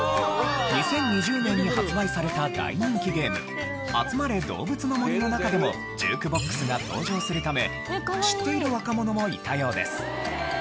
２０２０年に発売された大人気ゲーム『あつまれどうぶつの森』の中でもジュークボックスが登場するため知っている若者もいたようです。